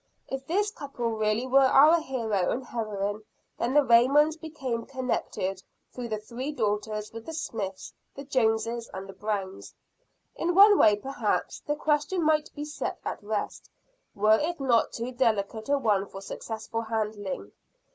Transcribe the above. If this couple really were our hero and heroine, then the Raymonds became connected, through the three daughters, with the Smiths, the Joneses and the Browns. In one way, perhaps, the question might be set at rest, were it not too delicate a one for successful handling.